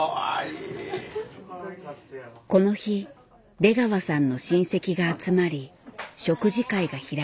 この日出川さんの親戚が集まり食事会が開かれた。